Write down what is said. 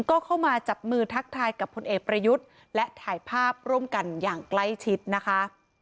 ก็เข้ามาจับมือทักทายกับพลเอกประยุทธ์และถ่ายภาพร่วมกันอย่างใกล้ชิดนะคะ